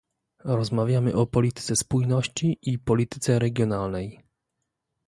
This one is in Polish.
Rozmawiamy o polityce spójności i polityce regionalnej